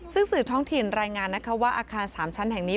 ซึ่งสื่อท้องถิ่นรายงานนะคะว่าอาคาร๓ชั้นแห่งนี้